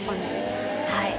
はい。